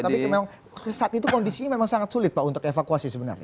tapi memang saat itu kondisinya memang sangat sulit pak untuk evakuasi sebenarnya